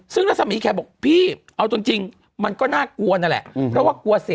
ซึ่งลักษณ์ศัมยีแคร์บอกพี่เอาจนจริงมันก็น่ากลัวนั่นแหละ